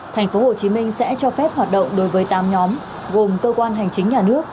thành phố hồ chí minh sẽ cho phép hoạt động đối với tám nhóm gồm cơ quan hành chính nhà nước